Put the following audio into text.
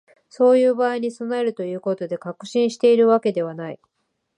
そういう場合に備えるということで、確信しているわけではない